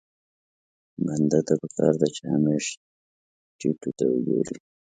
بنده ته پکار ده چې همېش ټيټو ته وګوري.